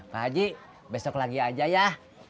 pak haji besok lagi aja ya